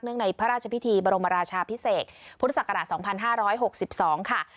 เนื่องในพระราชพิธีบรมราชาพิเศษพุทธศักราชสองพันห้าร้อยหกสิบสองค่ะ